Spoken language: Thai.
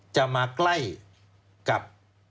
จะมาใกล้กับ